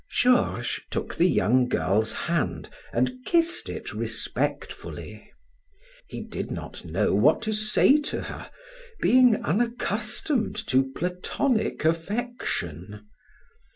Georges took the young girl's hand and kissed it respectfully. He did not know what to say to her, being unaccustomed to Platonic affection.